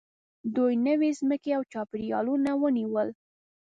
دوی نوې ځمکې او چاپېریالونه ونیول.